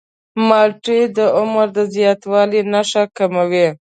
مالټې د عمر د زیاتوالي نښې کموي.